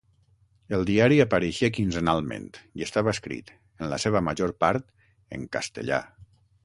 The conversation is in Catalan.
El diari apareixia quinzenalment i estava escrit, en la seva major part, en castellà.